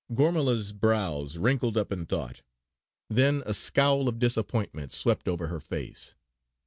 Gormala's brows wrinkled up in thought; then a scowl of disappointment swept over her face.